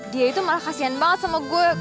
dia itu malah kasian banget sama gue